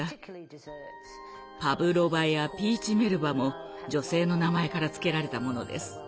パブロバやピーチメルバも女性の名前から付けられたものです。